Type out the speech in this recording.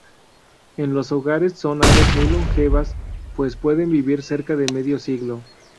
En los hogares son aves muy longevas, pues pueden vivir cerca de medio siglo.